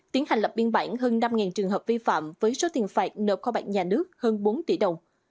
tiến hành lập biên bản hơn năm trường hợp vi phạm với số tiền phạt nợ kho bạc nhà nước hơn bốn tỷ đồng